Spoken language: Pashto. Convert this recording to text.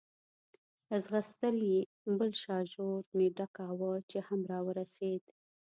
ځغستل یې، بل شاژور مې ډکاوه، چې هم را ورسېد.